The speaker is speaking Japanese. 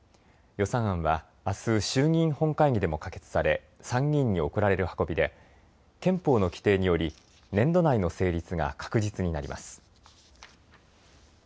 予算案は、あす衆議院本会議でも可決され参議院に送られる運びで憲法の規定により年度内の成立が確実になります。